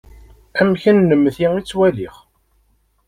Am kennemti i ttwaliɣ.